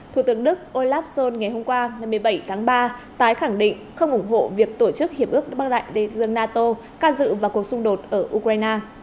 thủ tướng đức olaf scholz ngày hôm qua một mươi bảy tháng ba tái khẳng định không ủng hộ việc tổ chức hiệp ước băng đại đề dương nato can dự vào cuộc xung đột ở ukraine